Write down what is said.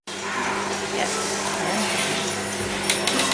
Yes, I am pregnant.